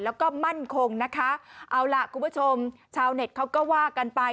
แล้วก็มั่นคงนะคะเอาล่ะคุณผู้ชมชาวเน็ตเขาก็ว่ากันไป